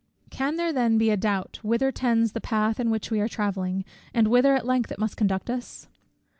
Can there then be a doubt, whither tends the path in which we are travelling, and whither at length it must conduct us?